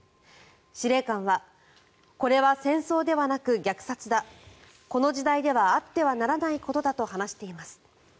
司令官はこれは戦争ではなく虐殺だこの時代ではあってはならないことだと話しています。